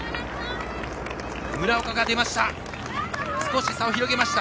村岡が出ました。